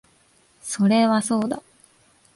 それはそうだ